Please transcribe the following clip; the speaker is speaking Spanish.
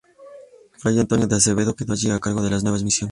Fray Antonio de Acevedo quedó allí a cargo de las nuevas misiones.